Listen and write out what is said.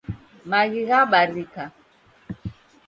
Maghi ghabarika